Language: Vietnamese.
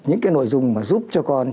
những cái nội dung mà giúp cho con